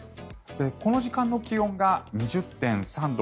この時間の気温が２０．３度。